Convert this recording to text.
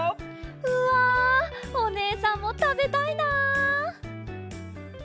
うわおねえさんもたべたいな！